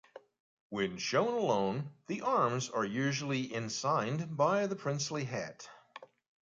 When shown alone, the arms are usually ensigned by the Princely hat.